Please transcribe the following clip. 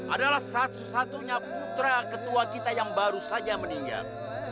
adalah satu satunya putra ketua kita yang baru saja meninggal